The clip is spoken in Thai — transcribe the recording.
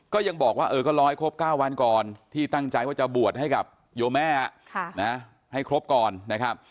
ก็ยังบอกว่าเออก็รอให้ครบ๙วันก่อนที่ตั้งใจว่าจะบวชให้กับโยแม่ให้ครบก่อนนะครับ